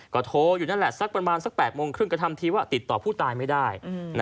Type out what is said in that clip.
ก็โทรอยู่นั่นแหละสักประมาณสัก๘โมงครึ่งก็ทำทีว่าติดต่อผู้ตายไม่ได้